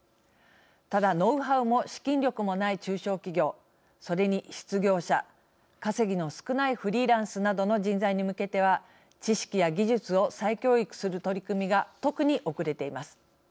ただ、ノウハウも資金力もない中小企業、それに失業者稼ぎの少ないフリーランスなどの人材に向けては知識や技術を再教育する取り組みが特に遅れています。